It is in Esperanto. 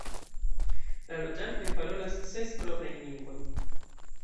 La loĝantoj parolas ses proprajn lingvojn.